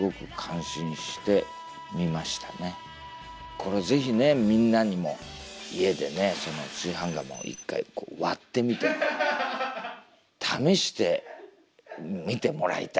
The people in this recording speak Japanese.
これぜひねみんなにも家で炊飯釜を一回こう割ってみて試してみてもらいたい。